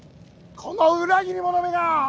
この裏切り者めが！